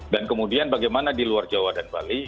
dan kemudian bagaimana di luar jawa dan bali